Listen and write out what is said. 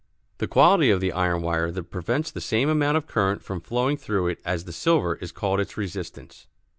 The quality of the iron wire that prevents the same amount of current from flowing through it as the silver is called its resistance.